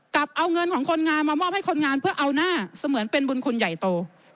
กับเอาเงินของคนงานมามอบให้คนงานเพื่อเอาหน้าเสมือนเป็นบุญคุณใหญ่โต